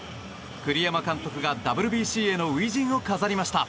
栗山監督がＷＢＣへの初陣を飾りました。